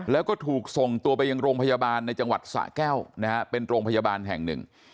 แล้วก็ถูกส่งตัวไปยังโรงพยาบาลในจังหวัดสะแก้วนะฮะเป็นโรงพยาบาลแห่งหนึ่ง